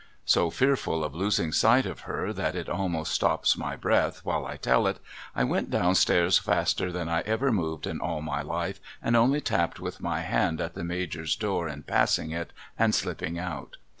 So fearful of losing sight of her that it almost stops my breath while I tell it, I went down stairs faster than I ever moved in all my life and only tapped with my hand at the Major's door in passing it and slipping out.